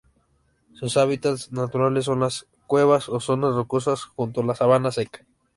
Sus hábitats naturales son las cuevas o zonas rocosas junto a la sabana seca.